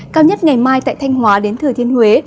cao nhất ngày mai tại thanh hóa đến thừa thiên huế